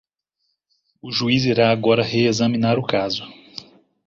Um juiz irá agora reexaminar o caso.